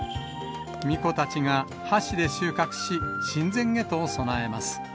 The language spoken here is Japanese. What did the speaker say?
みこたちが箸で収穫し、神前へと供えます。